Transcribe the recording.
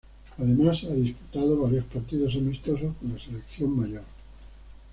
Además ha disputado varios partidos amistosos con la selección mayor.